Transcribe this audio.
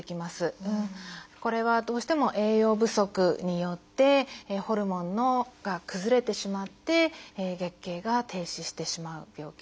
これはどうしても栄養不足によってホルモンが崩れてしまって月経が停止してしまう病気になります。